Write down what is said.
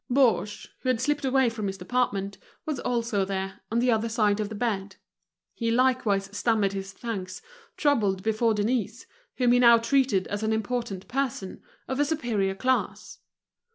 Baugé, who had slipped away from his department, was also there, on the other side of the bed. He likewise stammered his thanks, troubled before Denise, whom he now treated as an important person, of a superior class.